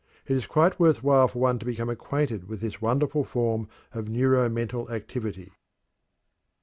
It is quite worth while for one to become acquainted with this wonderful form of neuro mental activity.